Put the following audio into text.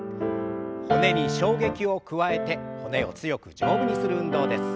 骨に衝撃を加えて骨を強く丈夫にする運動です。